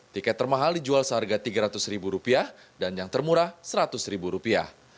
tiket termahal dijual seharga tiga ratus ribu rupiah dan yang termurah seratus ribu rupiah